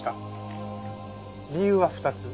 理由は２つ。